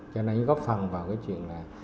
cho nên góp phần vào cái chuyện là